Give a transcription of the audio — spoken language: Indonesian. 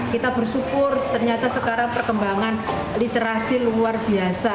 kita bersyukur ternyata sekarang perkembangan literasi luar biasa